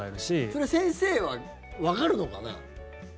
それ先生はわかるのかな？